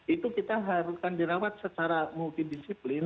itu kita haruskan dirawat secara multidisiplin